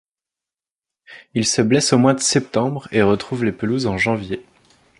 Il se blesse au mois de septembre et retrouve les pelouses en janvier.